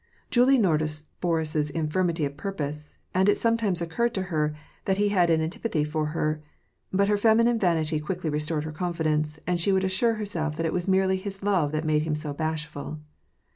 Julie noticed Boris's infirmity of purpose, and it sometimes occurred to her that he had an antipathy for her ; but her feminine vanity quickly restored her confidence, and she would assure herself that it was merely his love that made him so bashful.